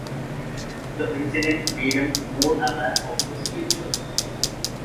The incident made him more aware of his future.